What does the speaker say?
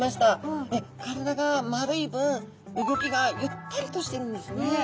体が丸い分うギョきがゆったりとしてるんですね。